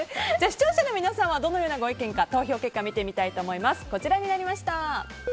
視聴者の皆さんはどのようなご意見か投票結果を見てみたいと思います。